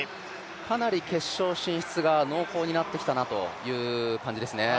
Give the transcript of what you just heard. かなり決勝進出が濃厚になってきたなという感じですね。